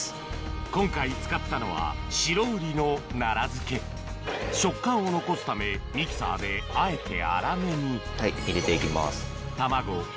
今回使ったのは食感を残すためミキサーであえて粗めにはい入れていきます。